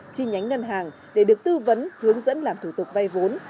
chi nhánh ngân hàng để được tư vấn hướng dẫn làm thủ tục vay vốn